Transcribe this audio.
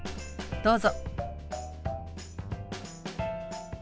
どうぞ。